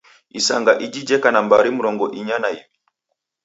Isanga iji jeka na mbari mrongo inya na iw'i.